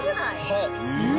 はい。